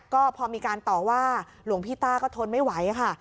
ก็พอมีการต่อว่าหลวงพี่ต้าก็ทนไม่ไหวค่ะ